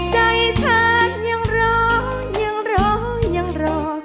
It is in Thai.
ใจฉันยังรอยังรอยังรอ